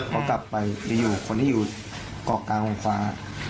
เขากลับไปอยู่คนที่อยู่เกาะกลางวงฟ้า